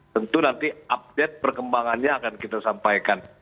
tentu nanti update perkembangannya akan kita sampaikan